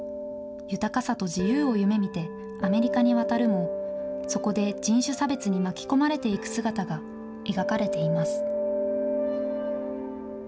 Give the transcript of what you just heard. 豊かさと自由を夢みてアメリカに渡るも、そこで人種差別に巻き込まれていく姿が描かれています。